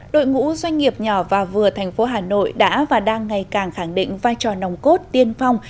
đội ngũ doanh nghiệp nhỏ và vừa thành phố hà nội đã và đang ngày càng khẳng định vai trò nồng cốt tiên phong